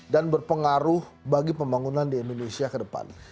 dan berpengaruh bagi pembangunan di indonesia ke depan